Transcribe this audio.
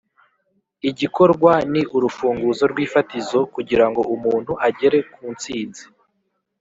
“igikorwa ni urufunguzo rw'ifatizo kugira ngo umuntu agere ku ntsinzi.”